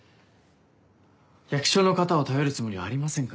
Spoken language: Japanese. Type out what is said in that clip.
役所の方を頼るつもりはありませんから。